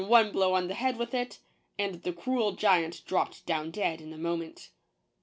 one blow on the head with it, and the cruel giant dropped down dead in a moment.